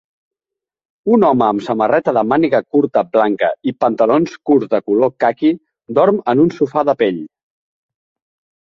Un home amb samarreta de màniga curta blanca i pantalons curts de color caqui dorm en un sofà de pell.